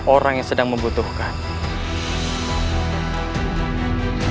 orang yang sedang membutuhkan alhamdulillah semua tugasku sudah selesai permana aku pun